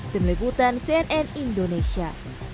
demikian cnn indonesia